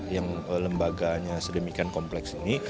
yang lembaganya sedemikian kompleks ini